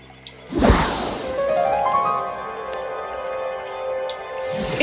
dan apa yang dia usulkan benar benar aneh